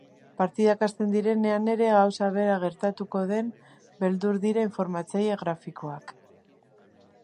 Partidak hasten direnean ere gauza bera gertatuko den beldur dira informatzaile grafikoak.